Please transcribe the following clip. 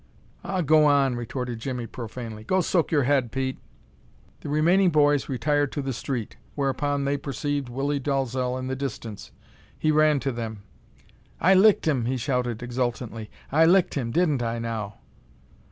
"Aw, go on," retorted Jimmie, profanely. "Go soak your head, Pete." The remaining boys retired to the street, whereupon they perceived Willie Dalzel in the distance. He ran to them. "I licked him!" he shouted, exultantly. "I licked him! Didn't I, now?"